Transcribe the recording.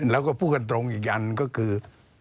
แล้วก็พูดกันตรงอีกอันก็คือ